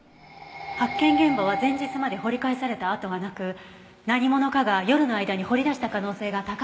発見現場は前日まで掘り返された跡がなく何者かが夜の間に掘り出した可能性が高いって土門さんが。